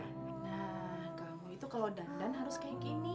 nah kamu itu kalau dandan harus kayak gini